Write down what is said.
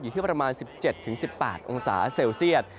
ที่ประมาณ๑๗๑๘องศาเซลเซียต